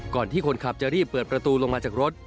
ที่คนขับจะรีบเปิดประตูลงมาจากรถ